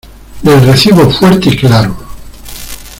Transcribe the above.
Les recibo fuerte y claro.